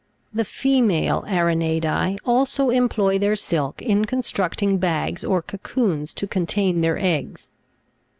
19. The female Aranei'da3 also employ their silk in construct ing bags or cocoons to contain their eggs.